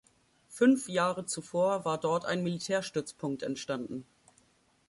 Fünf Jahre zuvor war dort ein Militärstützpunkt entstanden.